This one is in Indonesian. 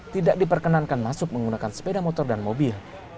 tidak diperkenankan masuk menggunakan sepeda motor dan mobil